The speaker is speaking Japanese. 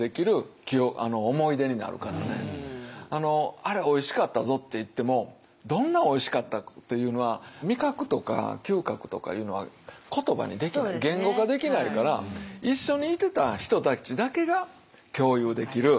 「あれおいしかったぞ」って言ってもどんなおいしかったっていうのは味覚とか嗅覚とかいうのは言葉にできない言語化できないからこのお三方がまさに。